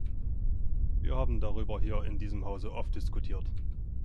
Wir haben darüber hier in diesem Hause oft diskutiert.